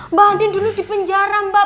mbak andin dulu di penjara mbak